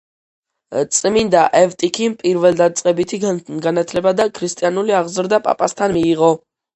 წმინდა ევტიქიმ პირველდაწყებითი განათლება და ქრისტიანული აღზრდა პაპასთან მიიღო.